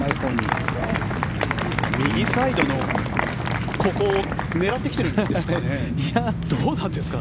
右サイドのここを狙ってきてるんですかねどうなんですか。